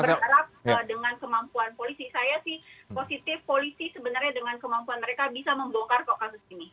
berharap dengan kemampuan polisi saya sih positif polisi sebenarnya dengan kemampuan mereka bisa membongkar kok kasus ini